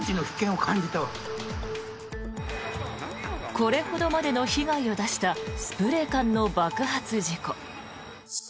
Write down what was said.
これほどまでの被害を出したスプレー缶の爆発事故。